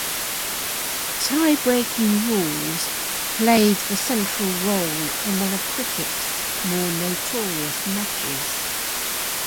Tie-breaking rules played the central role in one of cricket's more notorious matches.